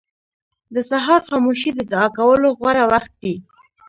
• د سهار خاموشي د دعا کولو غوره وخت دی.